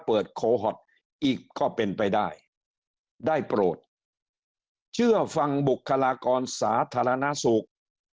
โคฮอตอีกก็เป็นไปได้ได้โปรดเชื่อฟังบุคลากรสาธารณสุข